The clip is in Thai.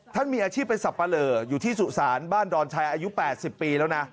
มีอาชีพเป็นสับปะเหลออยู่ที่สุสานบ้านดอนชัยอายุ๘๐ปีแล้วนะ